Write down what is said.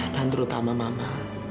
dan terutama mama